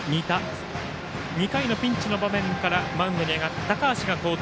そして２回のピンチの場面からマウンドに上がった高橋が好投。